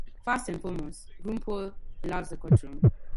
First and foremost, Rumpole loves the courtroom.